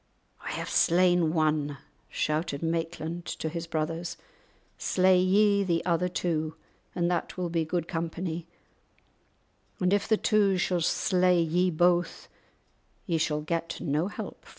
"I have slain one," shouted Maitland to his brothers; "slay ye the other two, and that will be good company, and if the two shall slay ye both, ye shall get no help from me."